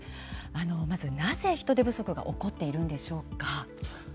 まずなぜ、人手不足が起こっているんでしょうか。